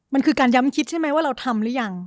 มันคือการย้ำคิดใช่ไหมว่าเราทำหรือยัง